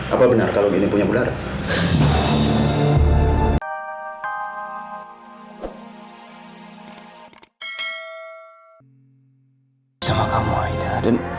apa benar kalau ini punya bulan